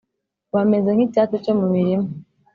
bameze nk’icyatsi cyo mu mirima,